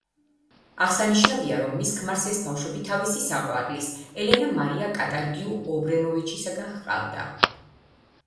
აღსანიშნავია, რომ მის ქმარს ეს ბავშვები თავისი საყვარლის, ელენა მარია კატარგიუ-ობრენოვიჩისაგან ჰყავდა.